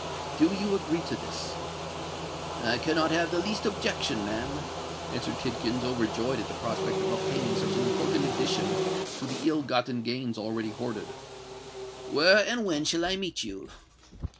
Do you agree to this?" "I cannot have the least objection, ma'am," answered Tidkins, overjoyed at the prospect of obtaining such an important addition to the ill gotten gains already hoarded. "Where and when shall I meet you?"